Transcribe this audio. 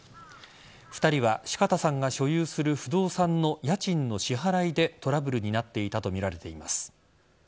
２人は、四方さんが所有する不動産の家賃の支払いでトラブルになっていたとみられています。